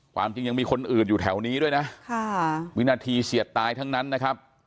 ความจริงยังมีคนอื่นอยู่แถวนี้ด้วยนะวินาทีเฉียดตายทั้งนั้นนะครับ